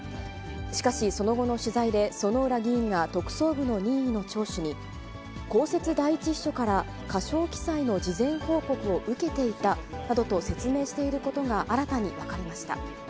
しかし、その後の取材で薗浦議員が特捜部の任意の聴取に、公設第１秘書から過少記載の事前報告を受けていたなどと説明していることが新たに分かりました。